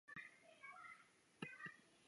店员建议我们点味噌汤